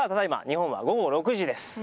日本は午後６時です。